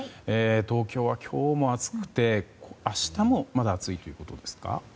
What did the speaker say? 東京は今日も暑くて明日もまだ暑いということですか？